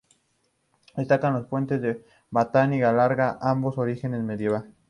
Destacan los puentes del Batán y del Grajal, ambos de origen medieval.